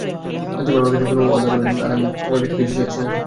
তুমি আমার কাছে কোনো ওয়াদা করো নি আর আমি তোমার কাছে কিছুই চাচ্ছি না।